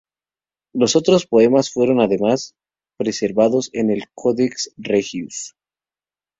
Los otros poemas fueron además preservados en el "Codex Regius".